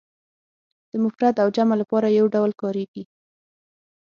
د مفرد او جمع لپاره یو ډول کاریږي.